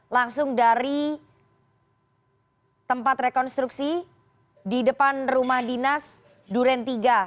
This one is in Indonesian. langsung dari tempat rekonstruksi di depan rumah dinas duren tiga